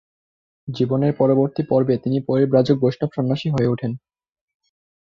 জীবনের পরবর্তী পর্বে তিনি পরিব্রাজক বৈষ্ণব সন্ন্যাসী হয়ে ওঠেন।